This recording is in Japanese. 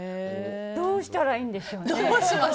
どうしたらいいんでしょうね。